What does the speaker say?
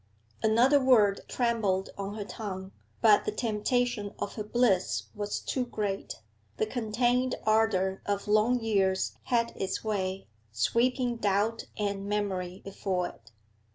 Another word trembled on her tongue, but the temptation of her bliss was too great; the contained ardour of long years had its way, sweeping doubt and memory before it.